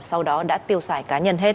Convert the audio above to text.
sau đó đã tiêu xài cá nhân hết